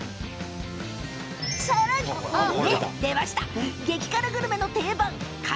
さらに激辛グルメの定番辛